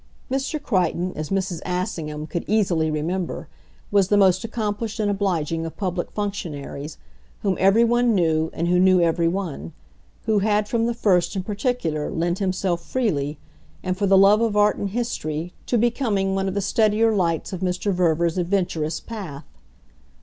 Mr. Crichton, as Mrs. Assingham could easily remember, was the most accomplished and obliging of public functionaries, whom every one knew and who knew every one who had from the first, in particular, lent himself freely, and for the love of art and history, to becoming one of the steadier lights of Mr. Verver's adventurous path.